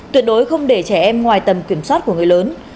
tuyệt đối không để trẻ em ngoài tầm kiểm soát của người lớn